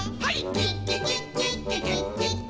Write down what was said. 「キッキキッキッキキッキッキ」